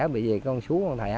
bởi vì con sú con thẻ thì nó